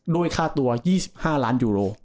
ด้วยค่าตัว๒๕ล้านยูโร